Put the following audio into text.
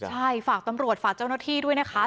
ใช่ฝากตำรวจฝากเจ้าหน้าที่ด้วยนะคะ